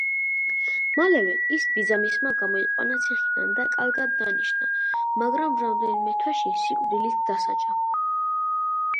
მალევე ის ბიძამისმა გამოიყვანა ციხიდან და კალგად დანიშნა, მაგრამ რამდენიმე თვეში სიკვდილით დასაჯა.